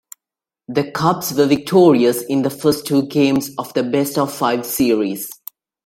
The Cubs were victorious in the first two games of the best-of-five series.